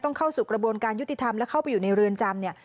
เข้าสู่กระบวนการยุติธรรมและเข้าไปอยู่ในเรือนจำเนี่ย